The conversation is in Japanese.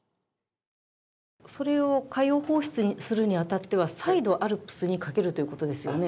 それを海洋放出するに当たっては再度、ＡＬＰＳにかけるということですよね？